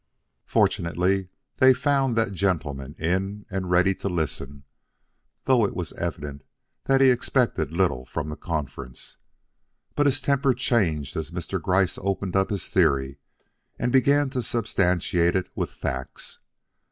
Fortunately, they found that gentleman in and ready to listen, though it was evident he expected little from the conference. But his temper changed as Mr. Gryce opened up his theory and began to substantiate it with facts.